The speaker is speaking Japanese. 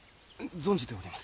存じております。